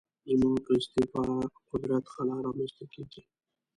زما په استعفا قدرت خلا رامنځته کېږي.